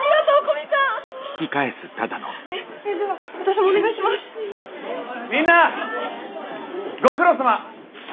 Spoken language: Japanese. みんなご苦労さま！